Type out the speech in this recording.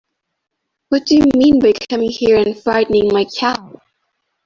What do you mean by coming here and frightening my cow?